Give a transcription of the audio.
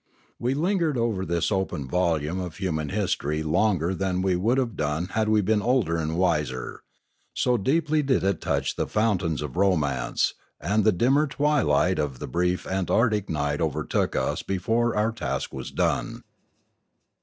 We lingered over this open volume of human history longer than we would have done had we been older and wiser, so deeply did it touch the fountains of romance, and the dimmer twilight of the brief antarctic night overtook us before our task was done.